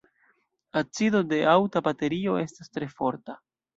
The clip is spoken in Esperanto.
Acido de aŭta baterio estas tre forta.